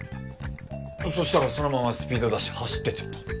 そしたらそのままスピード出して走ってっちゃった。